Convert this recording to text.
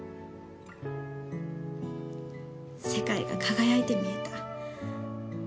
世界が輝いて見えた。